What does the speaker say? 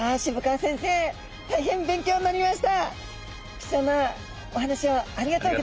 貴重なお話をありがとうございます。